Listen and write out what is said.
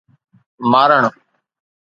مارڻ